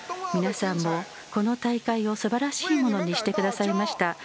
皆さんもこの大会をすばらしいものにしてくださいました。